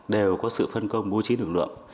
đều có sự phân công vô trí lực lượng